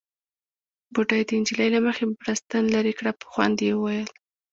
بوډۍ د نجلۍ له مخې بړستن ليرې کړه، په خوند يې وويل: